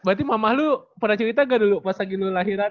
berarti mama lo pernah cerita nggak dulu pas lagi lo lahiran